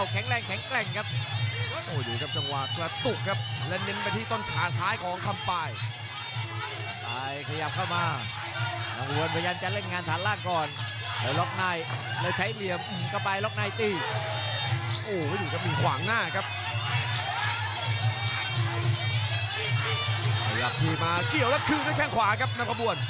ขยับขี่มาเกี่ยวแล้วคืนด้วยแข้งขวาครับน้ำขบวน